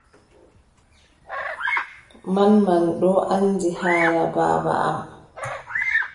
Manman ɗon anndi haala baaba am.